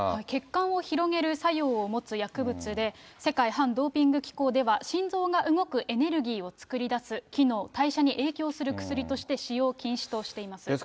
血管を広げる作用を持つ薬物で、世界反ドーピング機構では、心臓が動くエネルギーを作りだす機能、代謝に影響する薬として使用を禁止しています。